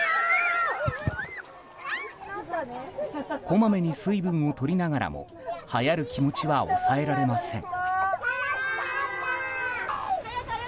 こまめに水分を取りながらもはやる気持ちは抑えられません。